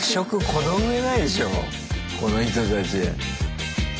この人たち。